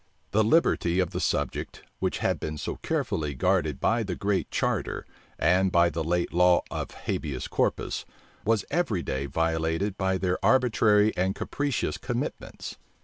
The liberty of the subject, which had been so carefully guarded by the Great Charter, and by the late law of habeas corpus, was every day violated by their arbitrary and capricious commitments.